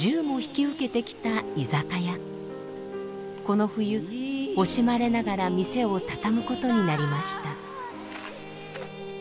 この冬惜しまれながら店をたたむことになりました。